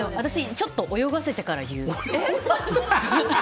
ちょっと泳がせてから言う。